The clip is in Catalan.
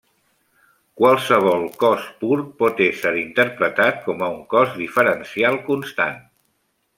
Qualsevol cos pur pot ésser interpretat com a un cos diferencial constant.